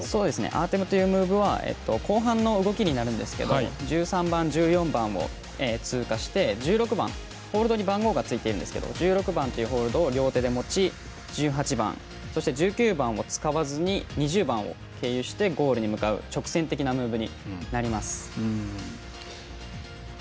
アーテムというムーブは後半の動きになりますが１３番、１４番を通過してホールドに番号がついているんですけど１６番を両手で持ち１８番、そして１９番を使わずに２０番を経由してゴールに向かう直線的なムーブになります。